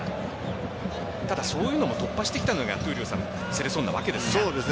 ただ、そういうのも突破してきたのが闘莉王さんセレソンなわけです。